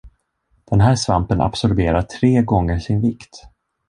Den här svampen absorberar tre gånger sin vikt.